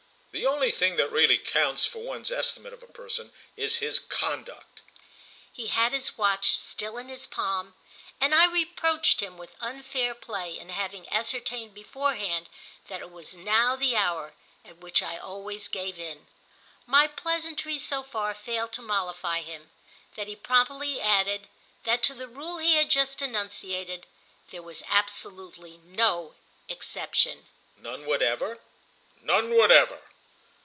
"The only thing that really counts for one's estimate of a person is his conduct." He had his watch still in his palm, and I reproached him with unfair play in having ascertained beforehand that it was now the hour at which I always gave in. My pleasantry so far failed to mollify him that he promptly added that to the rule he had just enunciated there was absolutely no exception. "None whatever?" "None whatever."